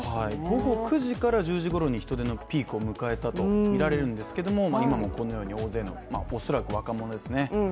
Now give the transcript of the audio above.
午後９時から１０時ごろに人出のピークを迎えたとみられるんですが今もこのように大勢の、恐らく若者ですね。